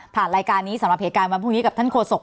รายการนี้สำหรับเหตุการณ์วันพรุ่งนี้กับท่านโศก